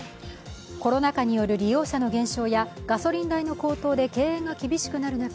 コロナ禍による利用者の減少やガソリン代の高騰で経営が厳しくなる中